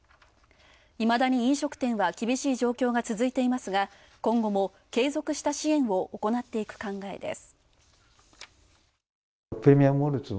いまだに飲食店は厳しい状況が続いていますが、今後も継続した支援を行っていく考えです。